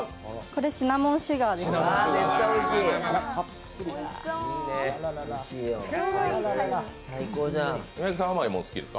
これはシナモンシュガーです。